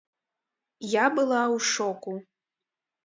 Я была ў шоку.